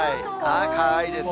かわいいですね。